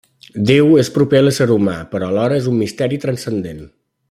Déu és proper a l'ésser humà, però alhora és un misteri transcendent.